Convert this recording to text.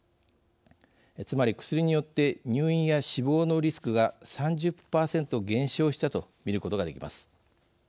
つまり薬によって入院や死亡のリスクが３０％減少したと見ることができます。